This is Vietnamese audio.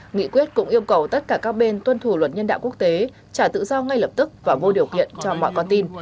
nghị quyết cũng yêu cầu tất cả các bên tuân thủ luật nhân đạo quốc tế trả tự do ngay lập tức và vô điều kiện cho mọi con tin